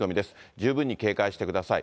十分に警戒してください。